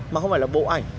mà không phải là bộ ảnh